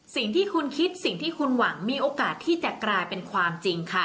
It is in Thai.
สิ่งที่คุณคิดสิ่งที่คุณหวังมีโอกาสที่จะกลายเป็นความจริงค่ะ